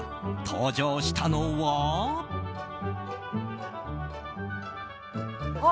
登場したのは。